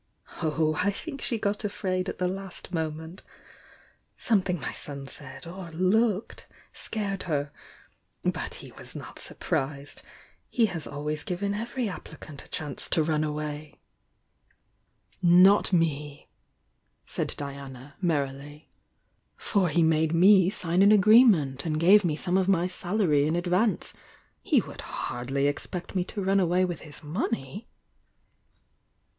"Oh, I think she got afraid at the last moment! Something my son said, or looked, scared her I But he was not surprised,— he has always given every applicant a chance to run away!" THE VOUXG DIANA 129 "Not me!" said Diana, merrily. "For he made me Mgn an agreement, and gave me some of my sal ary in advan^ e — he would hardly expect me to run away with his money?"